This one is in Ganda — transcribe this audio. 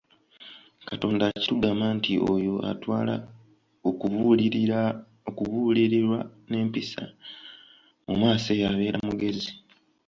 Katonda akitugamba nti oyo atwala okubuulirirwa n'empisa, mu maaso eyo abeera mugezi.